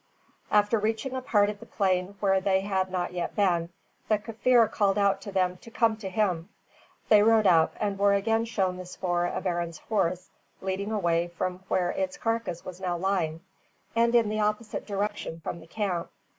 After reaching a part of the plain where they had not yet been, the Kaffir called out to them to come to him. They rode up, and were again shown the spoor of Arend's horse leading away from where its carcass was now lying, and in the opposite direction from the camp.